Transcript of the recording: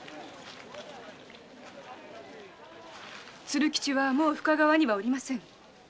鶴吉はもう深川におりません。